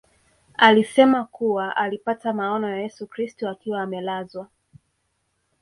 Alisema kuwa alipata maono ya Yesu Kristo akiwa amelazwa